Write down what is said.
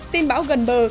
tiếp theo chương trình